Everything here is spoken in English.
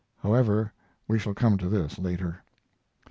However, we shall come to this later.